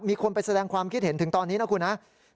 มีคนไปแสดงความคิดเห็นถึงตอนนี้นะครับ